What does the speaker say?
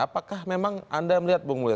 apakah memang anda melihat bung mulya